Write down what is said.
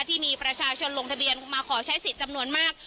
ที่มีประชาชนลงทะเบียนมาขอใช้สิทธิ์จำนวนมาก